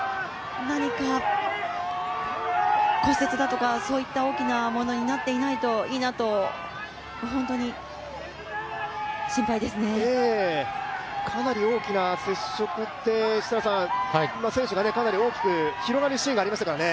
何か、骨折だとかそういった大きなものになっていないといいなとかなり大きな接触、選手がかなり大きく広がるシーンがありましたからね。